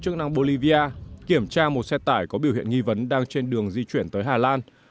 chức năng bolivia kiểm tra một xe tải có biểu hiện nghi vấn đang trên đường di chuyển tới hà lan